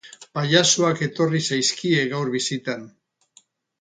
Pailazoak etorri zaizkie gaur bisitan.